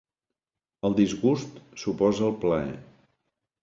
El disgust s'oposa al plaer.